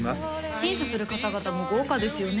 審査する方々も豪華ですよね